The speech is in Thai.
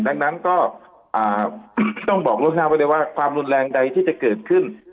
ดังนั้นก็ต้องบอกล่วงหน้าไว้เลยว่าความรุนแรงใดที่จะเกิดขึ้น